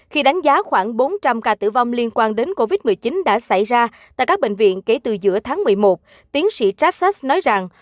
khi đánh giá khoảng bốn trăm linh ca tử vong liên quan đến covid một mươi chín đã xảy ra tại các bệnh viện kể từ giữa tháng một mươi một tiến sĩ trassas nói rằng